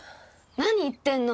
何言ってんの！